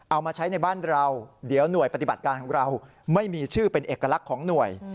เอามาใช้ในบ้านเราเดี๋ยวหน่วยปฏิบัติการของเราไม่มีชื่อเป็นเอกลักษณ์ของหน่วย